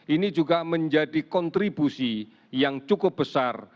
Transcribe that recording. ini juga menjadi kontribusi yang cukup besar